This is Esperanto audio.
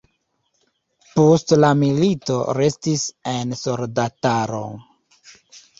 Post la milito restis en soldataro.